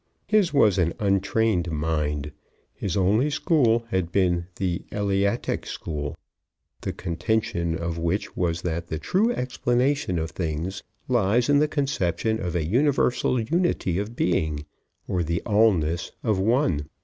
His was an untrained mind. His only school had been the Eleatic School, the contention of which was that the true explanation of things lies in the conception of a universal unity of being, or the All ness of One.